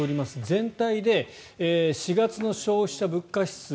全体で４月の消費者物価指数